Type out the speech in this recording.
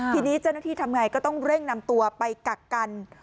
ทีนี้เจ้าหน้าที่ทำไงก็ต้องเร่งนำตัวไปกักกัน